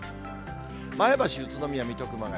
前橋、宇都宮、水戸、熊谷。